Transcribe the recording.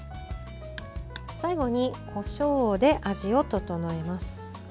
最後に、こしょうで味を調えます。